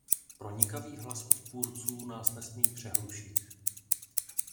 Pronikavý hlas odpůrců nás nesmí přehlušit.